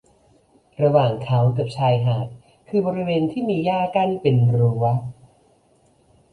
ระหว่างเขากับชายหาดคือบริเวณที่มีหญ้ากั้นเป็นรั้ว